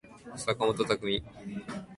毎年、誕生日を特別に祝うことにしています。